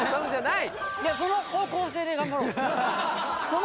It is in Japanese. いやその方向性で頑張ろう。